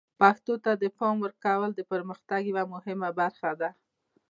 پښتو ته د پام ورکول د پرمختګ یوه مهمه برخه ده.